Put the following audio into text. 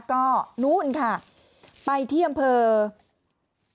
ก็นู่นค่ะไปที่อำเภอกิริมาตร